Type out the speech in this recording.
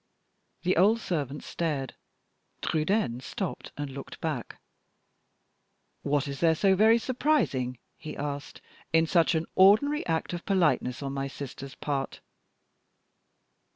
The old servant stared; Trudaine stopped and looked back. "What is there so very surprising," he asked, "in such an ordinary act of politeness on my sister's part?"